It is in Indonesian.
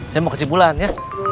saya mau ke cibulan ya